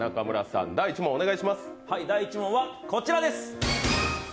第１問はこちらです。